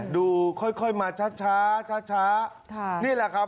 ดูค่อยมาช้าช้านี่แหละครับ